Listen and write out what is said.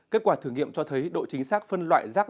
kết quả thử nghiệm cho thấy độ chính xác phân loại rác